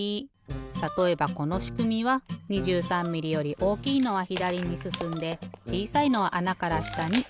たとえばこのしくみは２３ミリより大きいのはひだりにすすんでちいさいのはあなからしたにおちる。